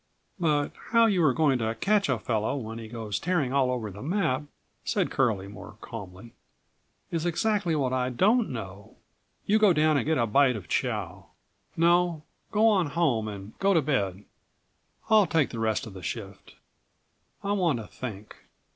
"But how you are going to catch a fellow50 when he goes tearing all over the map," said Curlie, more calmly, "is exactly what I don't know. You go down and get a bite of chow. No, go on home and go to bed. I'll take the rest of the shift. I want to think.